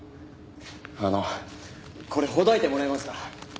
あのこれほどいてもらえますか？